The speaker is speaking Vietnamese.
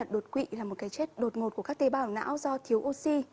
đột quỵ là một cái chết đột ngột của các tế bào não do thiếu oxy